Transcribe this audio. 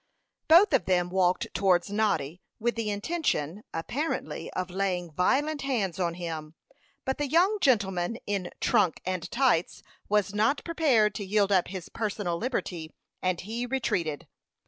Both of them walked towards Noddy, with the intention, apparently, of laying violent hands on him; but the young gentleman in "trunk and tights" was not prepared to yield up his personal liberty, and he retreated.